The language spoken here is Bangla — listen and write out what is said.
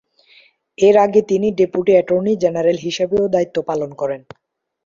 এর আগে তিনি ডেপুটি অ্যাটর্নি জেনারেল হিসেবেও দায়িত্ব পালন করেন।